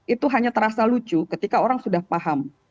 itu hanya terasa lucu ketika orang sudah paham